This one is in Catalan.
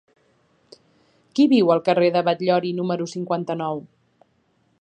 Qui viu al carrer de Batllori número cinquanta-nou?